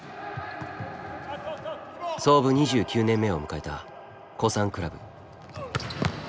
創部２９年目を迎えた古参クラブ。